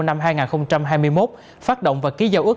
năm hai nghìn hai mươi một phát động và ký giao ước